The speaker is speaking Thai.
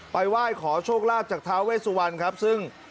ไหว้ขอโชคลาภจากท้าเวสุวรรณครับซึ่ง